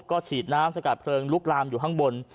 ก็ฉีดน้ำสกัดเพลิงลุกลามอยู่ข้างบน